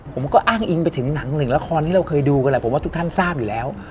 ผมก็อ้างอิงไปถึงหนังหนึ่งละครที่เราเคยดูกันแหละผมว่าทุกท่านทราบอยู่แล้ว